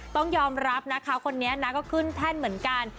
ต้องยอมรับนะคะคนนี้นะก็ขึ้นแท่นเหมือนกัน